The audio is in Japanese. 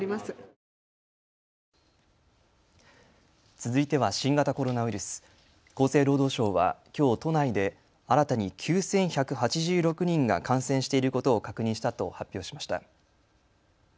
続いては新型コロナウイルス、厚生労働省はきょう都内で新たに９１８６人が感染していることを確認したと発表しました。